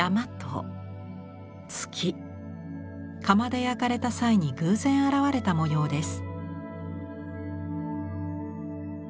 窯で焼かれた際に偶然現れた模様です。